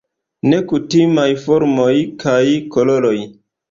Nekutimaj formoj kaj koloroj.